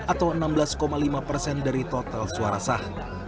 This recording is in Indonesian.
atau enam belas lima persen dari total suara sah